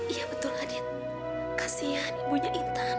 iya betul adit kasihan ibunya intan